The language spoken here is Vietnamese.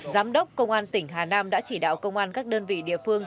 giám đốc công an tỉnh hà nam đã chỉ đạo công an các đơn vị địa phương